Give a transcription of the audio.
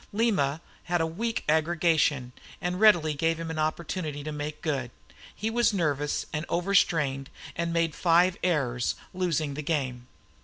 Lima had a weak aggregation, and readily gave him opportunity to make good. He was nervous and overstrained, and made five errors, losing the game.